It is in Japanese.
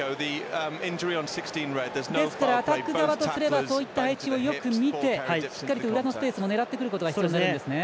ですからアタック側とすればそういった配置をよく見てしっかりと、裏のスペースも狙うことが必要になるんですね。